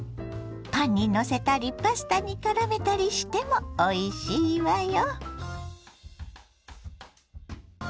パンにのせたりパスタにからめたりしてもおいしいわよ。